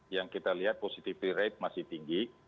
yang kita lihat positivity rate masih tinggi